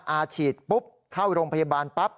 อาฉีดปุ๊บเข้าโรงพยาบาลปั๊บ